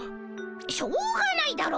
しょうがないだろ。